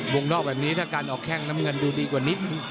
วงนอกแบบนี้ถ้าการออกแข้งน้ำเงินดูดีกว่านิดนึง